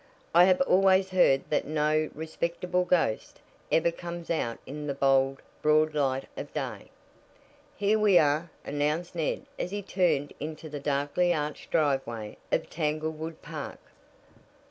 "I have always heard that no respectable ghost ever comes out in the bold, broad light of day." "Here we are!" announced Ned as he turned into the darkly arched driveway of Tanglewood Park.